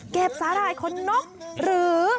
แก็บสาหร่ายคนนกหรือ